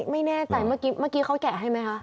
ไม่แน่ใจเมื่อกี้เขาแกะให้ไหมคะ